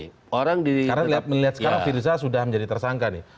karena melihat sekarang firdausah sudah menjadi tersangka nih